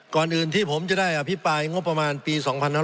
ก่อนอื่นที่ผมจะได้อภิปรายงบประมาณปี๒๕๖๒